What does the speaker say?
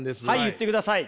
言ってください。